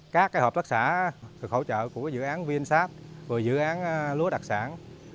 các hợp tác xã được hỗ trợ của dự án vnsat và dự án lúa đặc sản